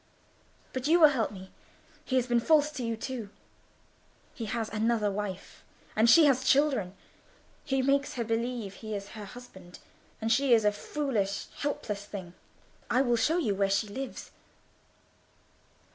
"But you will help me? He has been false to you too. He has another wife, and she has children. He makes her believe he is her husband, and she is a foolish, helpless thing. I will show you where she lives."